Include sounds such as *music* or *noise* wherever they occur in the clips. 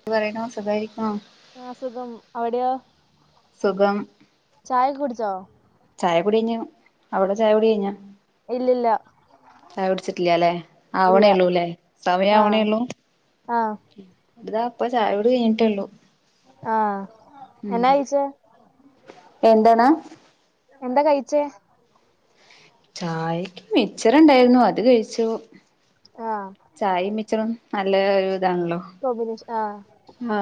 ന്തു പറിയിണു സുഖായിരിക്കണോ? ആഹ് സുഖം അവടെയോ? സുഖം ചായക്കെ കുടിച്ചോ ചായ കുടി കഴ്ഞ്ഞു അവ്ടെ ചായ കുടി കഴ്ഞ്ഞ ഇല്ലില്ല ചായ കുട്ച്ചിട്ടില്ല്യ ലേ ഇല്ല ആവ്ണേ ഒള്ളൂ ലേ സമയം ആവ്ണേ ആഹ് ഒള്ളൂ ആഹ് ഇതാ പ്പ ചായുടി കഴിഞ്ഞിട്ടേ ഒള്ളു ആ എന്നാ കയിച്ചേ എന്തണ് എന്താ കഴിച്ചേ ചായക്ക് മിച്ചർ ണ്ടായിര്ന്നു അത് കഴിച്ചു ആഹ് ചായിം മി ച്ചറും നല്ല ഒരു ഇതാണല്ലോ കോമ്പിനേഷൻ ആ ആ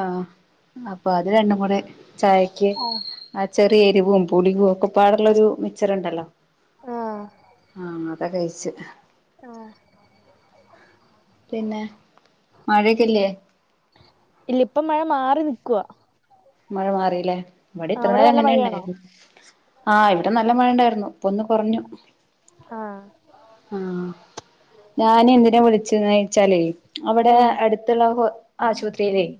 അപ്പൊ അത് രണ്ടും കൂടെ ചായയ്ക്ക് ആഹ് ആ ചെറിയ എരിവും പുളികും ഒക്കെ പാടള്ളരു മിക്ച്ചർ ഉണ്ടല്ലോ ആഹ് ആ അത് കയ്ച്ച് ആഹ് പിന്നെ മഴക്കെ ല്ലേ ഇല്ല ഇപ്പം മഴ മാറി നിക്കുവാ മഴ മാറി ലേ ഇവടിം ആ, ഇത്ര അവിടെ നേരം നല്ല ഇങ്ങനെ മഴയാണോ ഇണ്ടായിരുന്നു ആ ഇവിടെ നല്ല മഴ ണ്ടായ്രുന്നു പ്പൊന്ന് കൊറഞ്ഞു ആഹ് ആ ഞാന് എന്തിന വിളിച്ചു ന്നോയ്ച്ചാലേ അവിടെ ആഹ് അട്ത്ത്ള്ള ഹോ ആശുപത്രീലേയ്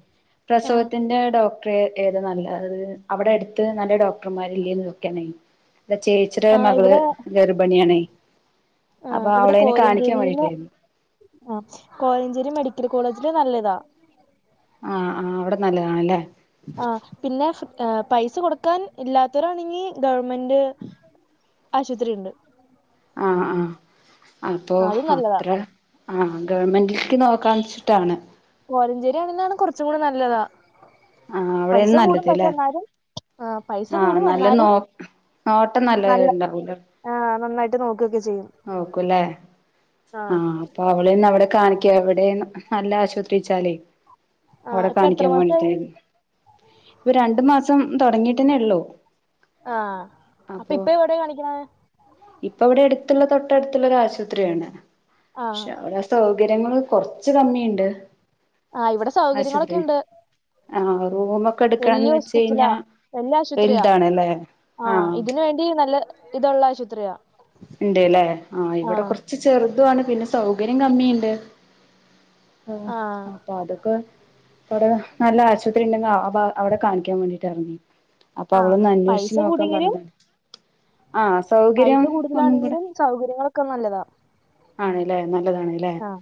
ആഹ് പ്രസവത്തിന്റെ ഡോക്ടറെ ഏതാ നല്ല അത് അവടെ അട്ത്ത് നല്ല ഡോക്ടർമാര്ല്ലേന്ന് *unintelligible* ഇന്റെ ചേച്ച്ടൊര് ആഹ് മകള് ഇവിടെ ഗർഭിണിയാണേ യ് ആ ഇവ്ടെ കോലഞ്ചേരീന്ന് വേണ്ടിട്ടായിരുന്നു ആ കോലഞ്ചേരി മെഡിക്കൽ കോളേജില് നല്ലതാ ആ ആ അവ്ടെ നല്ലതാണ് ല്ലേ ആ പിന്നെ ഫ്‌ പൈസ കൊട്ക്കാൻ ഇല്ലാത്തോരാണെങ്കി ഗവൺമെന്റ് ആശുപത്രി ഉണ്ട് ആ ആ അപ്പോ അതും നല്ലതാ അത്ര ആ ഗവൺമെൻറ്റിൽക്ക് നോക്കാന്ന്ച്ച്ട്ടാണ് കോലഞ്ചേരിയാണെന്നാണ് കൊറച്ചും കൂടി നല്ലതാ ആ പൈസ അവ്ടെയന്ന് കൂടും ന്നല്ലത് പക്ഷെ ലേ എന്നാലും ആഹ് പൈസ ആ കൂടും നല്ല നോ എന്നാലും നോട്ടം നല്ലത് ഇണ്ടാവൂല ആ നന്നായിട്ട് നോക്കെക്കെ ചെയ്യും നോക്കുംല്ലെ ആ ആഹ് അപ്പൊ അവളെ ഒന്ന് അവിടെ കാണിയ്ക്ക എവിടെ നല്ല ആശുപത്രിച്ചാലേയ് ആഹ് അവിടെ ഇപ്പ എത്ര കാണിക്കാൻ മാസായി മാണ്ടീട്ടായ്ര്ന്ന് ഇപ്പൊ രണ്ടു മാസം തൊടങ്ങിട്ടന്നേ എള്ളൂ ആ അപ്പ ഇപ്പ എവ്ടേ കാണിക്ക്‌ണത് ഇപ്പൊ വ്ടെ എട്ത്ത്ള്ള തൊട്ടട്ത്ത്ള്ളൊരു ആശുപത്രിയാണ് ആഹ് പക്ഷെ അവ്ടെ സൗകര്യങ്ങള് കൊർച്ച് കമ്മിണ്ട് ആ ഇവ്ടെ സൗകര്യങ്ങളൊക്കെ യുണ്ട് ആ റൂമൊക്കെ എടുക്കാന്ന് വെച്ച് ഹോസ്പിറ്റലാ കഴിഞ്ഞാ വല്യ വൽതാണ് അല്ലേ ആ വൃത്തിയും നല്ല ഇതൊള്ള ആശുപത്രിയാണ് ഇണ്ട്ല്ലേ ആഹ് ഇവിടെ കൊറച്ച് ചെറുതാണ് പിന്നെ സൗകര്യം കമ്മിയുണ്ട് ആഹ് അപ്പൊ അതൊക്കെ വേറെ നല്ല ആശുപത്രി ഉണ്ടെങ്കി അവിടെ കാണിക്കാൻ വേണ്ടിട്ട് ആയിരുന്നു അപ്പൊ ആഹ് അവളൊന്ന് അന്വേഷിച്ച് പൈസ നോക്കാൻ കൂടിയെങ്കിലും പറഞ്ഞ് ആഹ് സൗകര്യം ഒന്നും ഇതിലാണെങ്കിലും സൗകര്യങ്ങളൊക്കെ നല്ലതാ ആണ്ല്ലേ നല്ലതാണ് ആഹ്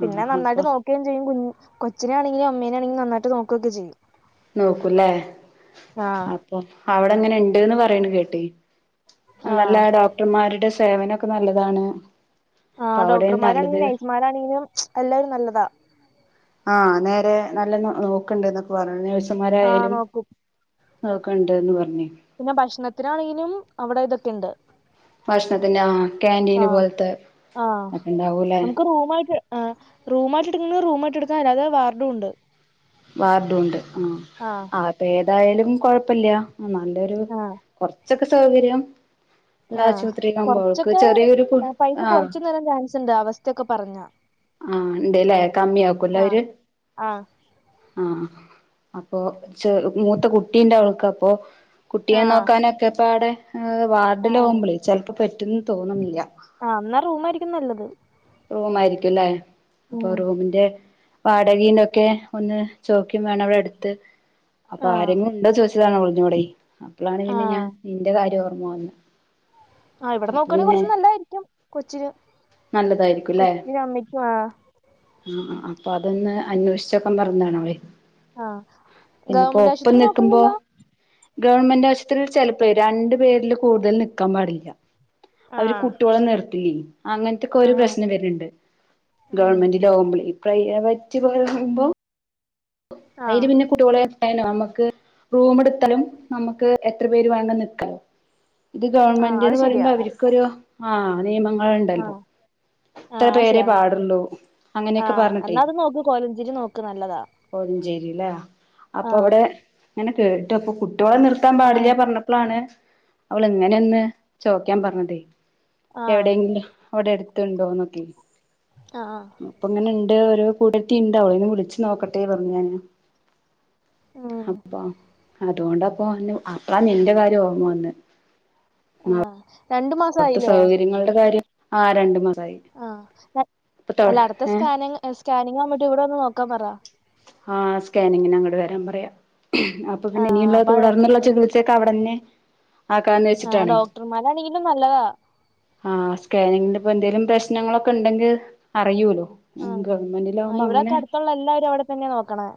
പിന്നെ നന്നായിട്ട് നോക്ക് കെ ചെയ്യും കുഞ്ഞ് കൊച്ചിനെയാണെങ്കിലും അമ്മേനെണിങ്കിലും നാന്നായിട്ട് നോക്കക്കെ ചെയ്യും നോക്കുംല്ലേ ആഹ് അപ്പൊ അവിടങ്ങനെ ഇണ്ട്ന്ന് പറയണ് കേട്ട് ആഹ് നല്ല ഡോക്ടർമാരുടെ സേവനൊക്കെ നല്ലതാണ് അപ്പൊ ആഹ് അവിടെയും ഡോക്ടർമാരാണെങ്കിലും നല്ലത് നേഴ്സുമാരാണെങ്കിലും എല്ലാരും നല്ലതാ ആഹ് നേരെ നല്ല ന നോക്കണ്ട് എന്നൊക്കെ പറഞ്ഞു ആ നേഴ്സന്മാരായാലും നോക്കും നോക്ക്ണ് ണ്ട്ന്ന് പറഞ്ഞ് പിന്നെ ഭക്ഷണത്തിനാണെങ്കിലും അവിടെ ഇതൊക്കെ ഇണ്ട് ഭക്ഷണത്തിന് ആ കാന്റീന് പോലത്തെ ആ അത് ഇണ്ടാവൂല്ലേ നമുക്ക് റൂമായിട്ട് ആഹ് റൂമായിട്ട് എടുക്കുന്നേ റൂമായിട്ട് എടുക്കാം അല്ലാതെ വാർഡും ഉണ്ട് വാർഡും ഉണ്ട് ആഹ് ആ അപ്പൊ ഏതായാലും കൊഴപ്പല്ല ആ നല്ലൊരു ആ കൊറച്ചൊക്കെ സൗകര്യം ആ എല്ലാം ആശുപത്രി ആകുമ്പോ ഓൾക്ക് ചെറിയൊരു കു ആഹ് *unintelligible* എന്ത് അവസ്ഥയൊക്കെ പറഞ്ഞൊ ആഹ് ഇണ്ട്ല്ലേ കമ്മി ആക്കുംല്ലെ ആ അവര് ആ ആഹ് അപ്പൊ ചെറു മൂത്ത കുട്ടീണ്ട് അവൾക്കപ്പോ കുട്ടിയെ ആ നോക്കാനൊക്കെ ഇപ്പൊ അവിടെ ആ വാർഡിലാകുമ്പളെ ചെലപ്പോ പറ്റുന്ന് തോന്ന്ണ്ല്ല ആഹ് എന്നാ റൂം ആയിരിക്കും നല്ലത് റൂമായിരിക്കുംല്ലേ അപ്പൊ ഉം റൂമിന്റെ വാടകേം ഇതൊക്കെ ഒന്ന് ചോദിക്കേം വേണം അവിടട്ത്ത് അപ്പൊ ആ ആരെങ്കിലും ഉണ്ടോ ചോദിച്ചതാണ് അവളെന്നോടേയ് - അപ്പളാണ് ആ പിന്നെ ഞാൻ നിന്റെ കാര്യം ഓർമ്മ വന്നത് ആഹ് ഇവിടെ നോക്ക്വാണങ്കിൽ കൊറച്ചു നല്ലാതായിരിക്കും കൊച്ചിന് അതായിരിക്കുംല്ലേ കൊച്ചിനും അമ്മയ്ക്കും ആ ആഹ് ആഹ് അപ്പൊ അതൊന്ന് അന്വേഷിച്ച്വെക്കാൻ പറഞ്ഞാണവളേയ് ആ പിന്നെപ്പോ ഗവൺമെന്റ് ഒപ്പം ആശുപത്രി നിക്കുമ്പോ നോക്കണമല്ലോ ഗവൺമെന്റ് ആശുപത്രിയിൽ ചെലപ്പോ രണ്ടു പേരില് കൂടുതൽ നിക്കാൻ പാടില്ല ആ അവര് കുട്വോളെ നിർത്തി അങ്ങനൊത്തെക്കെ ആ ഒരു പ്രശ്ന അങ്ങനെയിതിണ്ട് ഉം ഗവൺമെന്റിലാവുമ്പളേയ് പ്രൈവറ്റ് പോകുമ്പോ അയില് ആഹ് പിന്നെ കുട്വോളേ എനോ നമ്മുക്ക് റൂമെടുത്താലും നമുക്ക് എത്ര പേര് വേണോലും നിക്കാം ഇത് ആഹ് അത് ഗവൺമെന്റ്ന്ന് ശരിയാ പറയുമ്പോ അവർക്കൊരു ആഹ് നിയമം അ ഉണ്ടല്ലോ ആഹ് ആഹ് ഇത്ര അത് പേരെ ശരിയാ പാടുള്ളൂ അങ്ങനെയൊക്കെ ആഹ് പറഞ്ഞിട്ടേ എന്നാ അത് നോക്ക് കോലഞ്ചേരി നോക്ക് നല്ലതാ കോഴഞ്ചേരില്ലേ അപ്പൊ ആഹ് അവിടെ ഇങ്ങനെ കേട്വപ്പൊ കു ട്ട്യോളെ നിർത്താൻ ആഹ് പാടില്ല പറഞ്ഞപ്പോളാണ് അവള് ഇങ്ങനെ ഒന്ന് ചോദിക്കാൻ പറഞ്ഞതേ ആഹ് എവിടെയെങ്കിലും അവിടെ അടുത്തുണ്ടോന്നൊക്കെ ആഹ് അപ്പ ഇങ്ങനെ ഇണ്ട് ഓരോ കൂടത്തി ഉണ്ടാവളോടൊന്ന് വിളിച്ചിട്ട് നോക്കട്ടെ പറഞ്ഞു ഞാൻ ഉം അപ്പൊ അതുകൊണ്ടപ്പോ അപ നിന്റെ കാര്യം ഓർമ്മ വന്നെ ആഹ് രണ്ടു അവിടുത്തെ മാസായില്ലേ സൗകര്യങ്ങളുടെ കാര്യം ആ രണ്ടു മാറായി ആഞ അല്ല അടുത്ത സ്കാനി സ്കാനിങ് ആവുമ്പോട്ട് ഇവിടെ വന്ന് നോക്കാൻ പറ ആ സ്കാനിങ്ങിന് അങ്ങട്ട് വരാൻ പറയാം അപ്പൊ പിന്നെ ഇനി ആഹ് ഉള്ള അപ്പൊ തുടർന്നുള്ള ചികി ത്സയൊക്കവിടന്നെ ആ ക ആഹ് ഡോക്ടർമാരാണെങ്കിലും നല്ലതാ ആഹ് സ്കാനിങ്ങിന്റെ ഇപ്പ എന്തേങ്കിലും പ്രശ്നങ്ങളൊക്കെ ഉണ്ടെങ്കിൽ അറിയുല്ലോ ആ ഹ്ആഹ് ഇവിടെക്കെ അടുത്തുള്ള എല്ലാവരും അവിടെ തന്നെ നോക്കണെ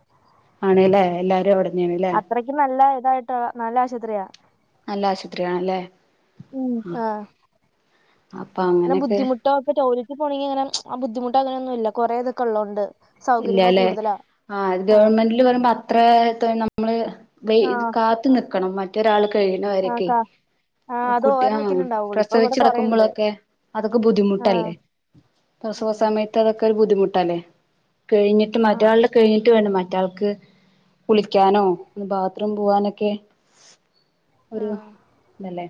ആണല്ലേ എല്ലാരും അവിടെ അത്രയ്ക്കും നല്ല ഇതായിട്ടാ നല്ല ആശുപത്രിയാ നല്ല ആശുപത്രിയാണല്ലേ ഉം ആ ആഹ് അപ്പൊ അങ്ങനെയൊക്കെ ഇപ്പ ടോലറ്റ് പോണമെങ്കി അങ്ങനെ ബുദ്ധിമുട്ടങ്ങനൊന്നും ഇല്ല കുറേതൊക്കെ ഉള്ളോണ്ട് സൗകര്യങ്ങൾ ഇല്ലല്ലെ കൂടുതലാ ആത് ആഹ് ഗവൺമെന്റ് ന്റ് പറയുമ്പോ അത്ര നമ്മള് ആഹ് കാത്ത് നിക്കണം മറ്റൊരാൾ ആഹ് കഴിയുന്നവരൊക്കെ കാ ആഹ് അത് കുട്ടി ആ ഒരെണ്ണക്കല്ലേ ഉണ്ടാവുള്ളൂ ഇപ്പൊ ഇവിടെ പ്രസവിച്ച് കൊറേണ്ട് കിടക്കുമ്പോഴൊക്കെ അതൊക്കെ ആഹ് ബുദ്ധിമുട്ടല്ലേ പ്രസവ സമയത്ത് അതൊക്കെ ഒരു ബുദ്ധിമുട്ടല്ലേ കഴിഞ്ഞിട്ട് ആഹ് മറ്റയാളുള്ള കഴിഞ്ഞിട്ട് വേണം മറ്റാൾക്ക് കുളിക്കാനോ ബാത്റൂം പോവാനൊക്കെ ഒരു ഇതല്ലേ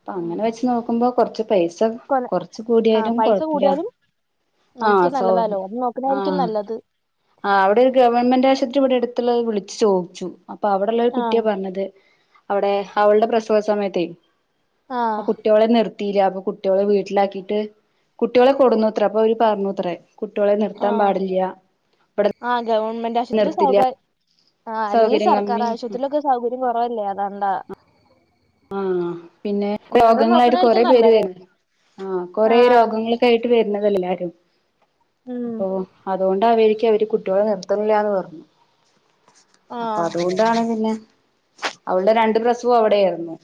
അപ്പ അങ്ങനെ വെച്ച് നോക്കുമ്പോ കുറച്ച് പൈസ കൊല കുറച്ച് ആഹ് കൂടിയാലും പൈസ കുഴപ്പമില്ല കൂടിയാലും ആഹ് നമുക്ക് നല്ലതാലോ സൗകര്യ നോക്കണായിരിക്കും നല്ലത് ആഹ് അവിടെ ഒരു ഗവൺമെന്റ് ആശുപത്രി ഇവിടെ അടുത്തുള്ളത് വിളിച്ചു ചോദിച്ചു അപ്പൊ അവിടെള്ള ഒരു കുട്ടിയാ ആഹ് പറഞ്ഞത് അവിടെ അവളുടെ പ്രസവ സമയത്തേ ആ ആഹ് കുട്ടികളെ നിർത്തില്ല അപ്പൊ കുട്ടികളെ വീട്ടിലാക്കിട്ട് കുട്ടികളെ കൊടുന്നുത്ര അപ്പൊ അവര് പറഞ്ഞൂത്രേ കുട്ടികളെ നിർത്താൻ ആഹ് പാടില്ല ഇവിടെ ആഹ് ഗവൺമെന്റ് ആശുപത്രി നിർത്തില്ല സൗകാര്യ ആഹ് അല്ലെങ്കിൽ സൗകര്യം സർക്കാർ കമ്മി ആശുപത്രിയിലൊക്കെ സൗകര്യം കുറവല്ലേ അതാണ്ടാ ആഹ് പിന്നെ ഇങ്ങട് രോഗങ്ങളായിട്ട് കൊറെ നോക്കണായിരിക്കും പേര് നല്ലത് വരുന്നു ആ കൊറേ ആഹ് രോഗങ്ങൾ ക്കെ ആയിട്ട് വരുന്നതല്ലെ എല്ലാരും ഉം അപ്പൊ അതുകൊണ്ട് അവേരിക്കാം അവര് കുട്ടികൾ നിർത്ത ത്തണില്ല പറഞ്ഞത് അപ്പൊ ആഹ് അതൊണ്ട് ഇതാണ് പിന്നെ അവളുടെ രണ്ട് പ്രസവം അവിടെ ആയിരുന്നു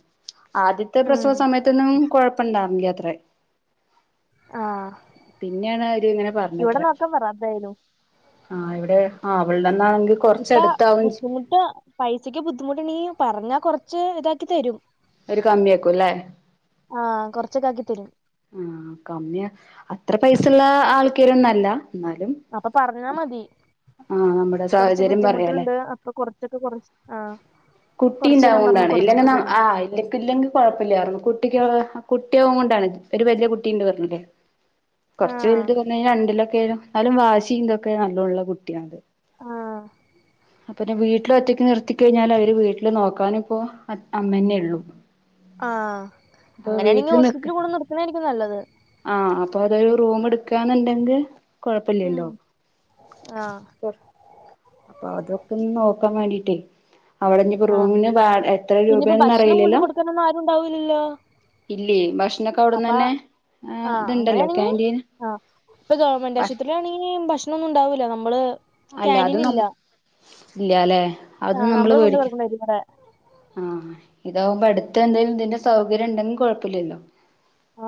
ആദ്യത്തെ ഉം പ്രസവ സമയത്തൊന്നും കൊഴപ്പുണ്ടാർന്നില്ലത്ര ആഹ് പിന്നെയാണ് അവര് ഇങ്ങനെ ഇവിടെ പറഞ്ഞത്ര നോക്കാൻ പറ എന്തായാലും ആഹ് ഇവിടെ ആ അവിള്ടെന്നാണെങ്കിൽ ഇപ്പ ബുദ്ധിമുട്ട് പൈസക്ക് ബുദ്ധിമുട്ട്ണ്ട്ങ്കീ പറഞ്ഞാ കൊറച്ച് ഇതാക്കി തരും അവര് കമ്മിയാക്കും അല്ലേ ആഹ് കൊറച്ചൊക്കെ ആക്കി തരും ആഹ് കമ്മിയ അത്ര പൈസുള്ള ആൾക്കാരൊന്നുംല്ല എന്നാലും അപ്പൊ പറഞ്ഞാ മതി ആഹ് നമ്മുടെ കുറച്ച് സാഹചര്യം പറയാല്ലേ ബുദ്ധിമുട്ടുണ്ട് അപ്പൊ കൊറച്ചൊക്കെ കുറച്ച് ആഹ് കുട്ടി ഉണ്ടാവു കൊണ്ടാണ് ഇല്ലെങ്കി ആഹ് ഇല്ലെങ്കി ഇല്ലെങ്കി കൊഴപ്പല്ലായിരുന്നു കുട്ടിക്ക് കുട്ടിയും കൊണ്ടാണ് ഒരു വലിയ കുട്ടീണ്ട് പറഞ്ഞില്ലേ കുറച്ച് ആഹ് വലുത് പറഞ്ഞു കഴിഞ്ഞാ രണ്ടിലൊക്കെ എന്നാലും വാഷിം ഇതൊക്കെ നല്ലള്ള കുട്ടിയാ ആഹ് അപ്പരം വീട്ടില് ഒറ്റയ്ക്ക് നിർത്തി കഴിഞ്ഞാല് ഇവര് വീട്ടില് നോക്കാനിപ്പോ അമ്മേന്നേള്ളൂ ആഹ് അങ്ങനെയാണെങ്കി നിക്ക ഹോസ്പിറ്റൽ കൂടെ നിർത്ത്ന്നായിരിക്കും നല്ലത് ആഹ് അപ്പൊ അവര് റൂം എടുക്കാന്ന്ണ്ടെങ്കിൽ ഉം കൊഴപ്പല്ലല്ലോ ആഹ് അപ്പൊ അതൊക്കൊന്ന് നോക്കാൻ വേണ്ടിട്ടേ അവിടെ ഇഞ്ഞ്പ്പോ ആഹ് റൂമിന് വ എത്ര പിന്നെ ഇപ്പ രൂപന്ന് ഭക്ഷണം കൊണ്ട് അറിയിലല്ലോ കൊടുക്കാനൊന്നും ആരും ഉണ്ടാവൂലല്ലോ ഇല്ല ഭക്ഷണൊക്കെ അവ അപ്പ ടുന്നന്നെ ആഹ് ഇത്ണ്ടല്ലോ അങ്ങനെയാണെങ്കി കാന്റീന് ഭ നിക്കാണെങ്കി ഭക്ഷണൊന്നും ഉണ്ടാവൂല്ല നമ്മള് അല്ല ക്യാന്റീൻ അതും ഇല്ല നമ ഇല്ലാല്ലേ ആഹ് നമ്മള് കൊണ്ട് കൊടുക്കുന്ന ഇവിടെ ആഹ് ഇതാവുമ്പോ അടുത്ത് എന്തേലും ഇതിന്റെ സൗകര്യം ഉണ്ടെങ്കി കൊഴപ്പല്ലല്ലോ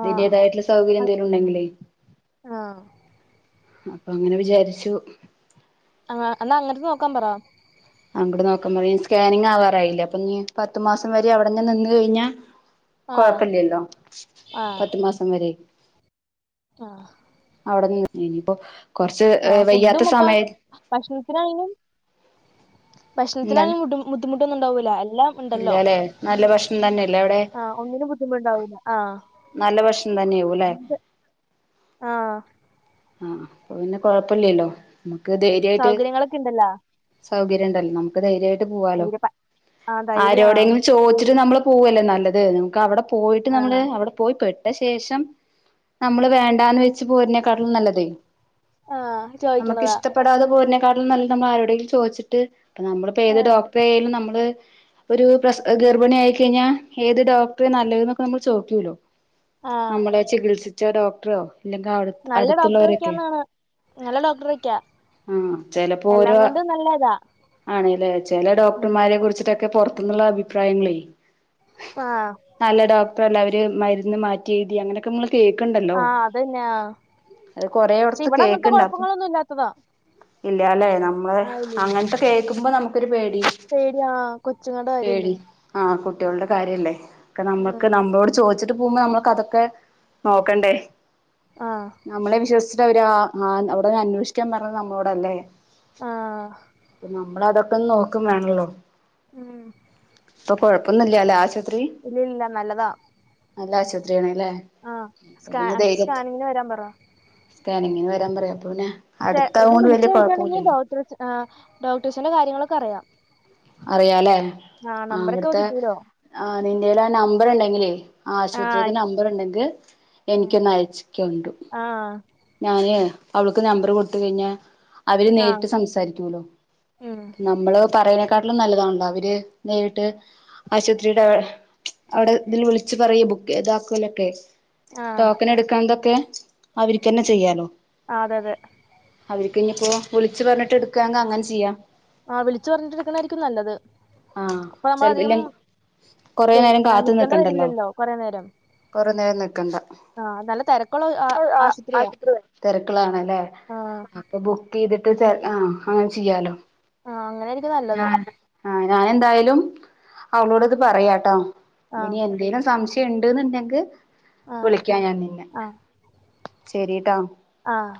ആഹ് സൗകര്യം എന്തേലും ഉണ്ടെങ്കിലേ ആഹ് അപ്പൊ അങ്ങനെ വിചാരിച്ചു ആഹ് എന്നാ അങ്ങട്ട് നോക്കാൻ പറാ അങ്ങട്ട് നോക്കാൻ പറയാൻ സ്കാനിങ് ആവാറായില്ലേ അപ്പം ഇഞ്ഞി പത്ത് മാസം വരെ അവിടെ തന്നെ നിന്ന് കഴിഞ്ഞാ ആഹ് കൊഴപ്പല്ലല്ലോ ആഹ് പത്തു മാസം വരെ ആഹ് അവിടെ നി ഇനിയിപ്പോ കൊറച്ച് വയ്യാത്ത സമയ ഭക്ഷണത്തിനായനും എന്താണ് ഭക്ഷണത്തിനായണും ബുദ്ധിമു ബുദ്ധിമുട്ടൊന്നും ഉണ്ടാവൂല്ല എല്ലാം ഉണ്ടല്ലോ ഇല്ലല്ലെ നല്ല ഭക്ഷണം തന്നെയല്ലേ അവിടെ ആഹ് ഒന്നിനും ബു ദ്ധിമുട്ട്ണ്ടാവുല്ല ആഹ് നല്ല ഭക്ഷണം തന്നെയാവും ല്ലേ ആഹ് ആഹ് അപ്പൊ പിന്നെ കൊഴപ്പല്ലല്ലോ നമ്മുക്ക് ധൈര്യായിട്ട് സൗകര്യങ്ങളൊക്കെ ഉണ്ടല്ലോ സൗകര്യണ്ടല്ലോ നമുക്ക് ധൈര്യായിട്ട് പോവാലോ ഒരു പ ആഹ് ധൈര്യം ആഹ് ആരോടെങ്കിലും ചോയിച്ചിട്ട് നമ്മള് പോവല്ലേ നല്ലത് നമുക്ക് അവിടെ പോയിട്ട് നമ്മള് ആഹ് അവിടെ പോയി പെ ട്ട ശേഷം നമ്മള് വേണ്ടാന്ന് വെച്ച് പോര്ന്നേക്കാട്ടിലും നല്ലതെ ആഹ് നമക്ക് ചോദിക്കണതാ ഇഷ്ടപ്പെടാതെ പോരുന്നേക്കാട്ടിലും നല്ല നമ്മൾ ആരോടെങ്കിലും ചോയിച്ചിട്ട് ഇപ്പ നമ്മളിപ്പോ ഏത് ആഹ് ഡോക്ടറെ ആയാലും നമ്മള് ഒരു പ്ര ഗർഭണി ആയി കഴിഞ്ഞാ ഏത് ഡോക്ടറ് നല്ലത് എന്നൊക്കെ നമ്മൾ ചോയിക്കൂല്ലോ ആഹ് നമ്മളെ ചികിത്സിച്ചാ ഡോക്ടറോ ഇല്ലെങ്കി അവിടെ നല്ല ഡോക്ടറൊക്കെന്നാണ് നല്ല ഡോക്ടറൊക്കാ ആഹ് ചെലപ്പോ ഓരോ ആണ് ല്ലേ ചെല ഉം ഡോക്ടർമാരെ കുറിച്ചിട്ടൊക്കെ പൊറത്ത്ന്ന്ള്ള അഭിപ്രായങ്ങളേ ആഹ് നല്ല ഡോക്ടറല്ല അവര് മരുന്ന് മാറ്റി എഴുതി അങ്ങനൊക്കെ നമ്മള് കേക്ക്ണ്ടല്ലോ ആഹ് അതന്നെ ആഹ് അത് പക്ഷെ കൊറേയൊടത്ത് ഇവിടെ അങ്ങനത്തെ കേക്ക്ണ്ട് അപ്പൊ കുഴപ്പങ്ങളൊന്നും ഇല്ലാത്തതാ ഇല്ലാല്ലേ നമ്മളെ ആഹ് ഇല്ലില്ല അങ്ങന്ത്തെ കേൾക്കുമ്പോ നമുക്കൊരു പേടി പേടിയാ കൊച്ചുങ്ങടെ കാര്യല്ലേ പേടി ആഹ് കുട്ടികളുടെ കാര്യല്ലേ ഒക്കെ നമ്മക്ക് ആഹ് നമ്മളോട് ചോയിച്ചിട്ട് പോവുമ്പോ നമ്മൾക്ക് അതൊക്കെ നോക്കണ്ടേ ആഹ് നമ്മളെ വിശ്വസിച്ചിട്ട് അവര് ആഹ് ആ അവിടെ അന്വേഷിക്കാൻ പറഞ്ഞത് നമ്മളോടല്ലേ ആഹ് നമ്മള് അതൊക്കൊന്ന് നോക്കും വേണല്ലോ ഉം കൊഴപ്പൊന്നുല്ലല്ലേ ആശുപത്രി ഇല്ല ഇല്ല നല്ലതാ നല്ല ആശുപത്രിയാണല്ലേ ആഹ് സ്കാ അടുത്ത ധൈര്യത്ത് സ്കാനിങ്ങിന് വരാൻ പറ സ്കാനിങ്ങിന് വരാൻ പറയാം അപ്പൊ പിന്നെ അടുത്താവൊണ്ട് വലിയ കൊഴപ്പന്നൂല്ല ആഹ് ഡോക്ടേഴ്സിന്റെ കാര്യങ്ങളൊക്കെ അറിയാം അറിയാല്ലേ ആ നമ്പറൊക്കെ അവിടുത്തെ കിട്ടൂലോ ആഹ് നിന്റെൽ ആ നമ്പർ ഉണ്ടെങ്കിലേ ആ ആശുപത്രിയുടെ നമ്പർ ഉണ്ടെങ്കിൽ ഉം. എനിക്കൊന്ന് അയച്ചക്കണ്ടു ആ ഞാന് അവൾക്ക് നമ്പർ കൊടുത്ത് പിന്നെ അവര് ആ നേരിട്ട് സംസാരിക്കുമല്ലോ ഉം നമ്മള് പറയണ കാട്ടിലും നല്ലതാണല്ലോ അവര് നേരിട്ട് ആശുപത്രിയുടെ അവിടെ ഇതിൽ വിളിച്ചു പറയ ബുക്ക് ചെയ്താക്കലൊക്കെ ആ ടോക്കൻ എടുക്കണതൊക്കെ അവർക്ക് തന്നെ ചെയ്യാലോ ആ അതെ അതെ അവർക്ക് ഇനി ഇപ്പോ വിളിച്ച് പറഞ്ഞിട്ട് എടുക്കാങ്കെ അങ്ങനെ ചെയ്യാം ആഹ് വിളിച്ചു പറഞ്ഞിട്ട് എടുക്കണായിരിക്കും നല്ലത് ആഹഹ് അപ്പൊ ചെ നമ്മൾ അധികം ഇല്ലെങ്കി കൊറെ വെയി നേരം കാത്തു നിൽക്കേണ്ട നിക്കണ്ടല്ലോ വരില്ലല്ലോ കുറെ നേരം കൊറേ നേരം നിക്കണ്ട ആ നല്ല തിരക്കുള്ള ആ- അഹ് ആഹ് ആശുപത്രിയാ ആശുത്രി തിരക്കളാണല്ലേ ആ അപ്പൊ ബുക്ക് ചെയ്തിട്ട് ആ അങ്ങനെ ചെയ്യാലോ ആഹ് അങ്ങനായിരിക്കും നല്ലത് ഞാൻ ആഹ് ഞാൻ എന്തായാലും അവളോട് ഇത് പറയാട്ടോ ആ ഇനി എന്തേലും സംശയം ഉണ്ട്ന്ന്ണ്ടെങ്കിൽ ആ വിളിക്കാം ഞാൻ ശരി ട്ടോ ആഹ്